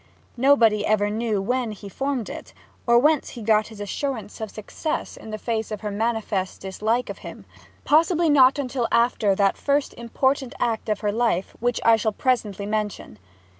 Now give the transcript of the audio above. Nobody ever knew when he formed it, or whence he got his assurance of success in the face of her manifest dislike of him. Possibly not until after that first important act of her life which I shall presently mention.